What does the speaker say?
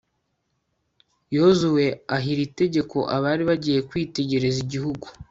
yozuwe aha iri tegeko abari bagiye kwitegereza igihugu